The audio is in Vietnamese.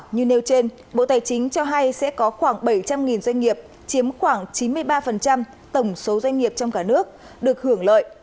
như nêu trên bộ tài chính cho hay sẽ có khoảng bảy trăm linh doanh nghiệp chiếm khoảng chín mươi ba tổng số doanh nghiệp trong cả nước được hưởng lợi